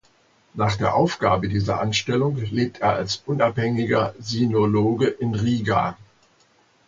Nach der Aufgabe dieser Anstellung lebt er als unabhängiger Sinologe in Riga.